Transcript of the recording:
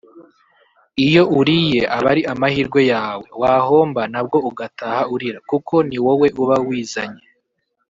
Iyo uriye aba ari amahirwe yawe wahomba na bwo ugataha urira kuko ni wowe uba wizanye